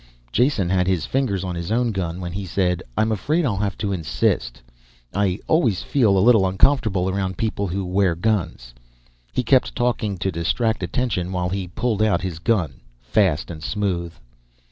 Jason had his fingers on his own gun when he said, "I'm afraid I'll have to insist. I always feel a little uncomfortable around people who wear guns." He kept talking to distract attention while he pulled out his gun. Fast and smooth.